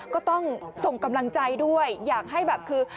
ก็ต้องส่งกำลังใจด้วยอยากให้แบบคือ